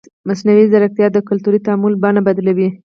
مصنوعي ځیرکتیا د کلتوري تعامل بڼه بدلوي.